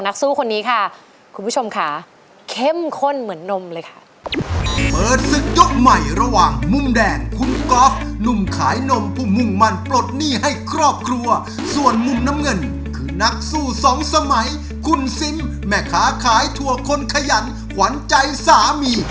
คุณซิมแม่ค้าขายถั่วคนขยันหวานใจสามี